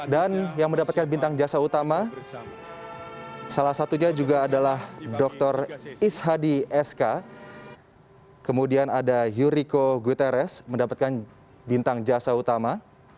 dan yang mendapatkan bintang jasa utama salah satunya juga adalah dr ishadi eska kemudian ada yuriko guterres mendapatkan bintang jasa utama